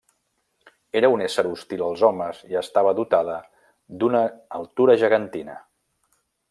Era un ésser hostil als homes i estava dotada d'una altura gegantina.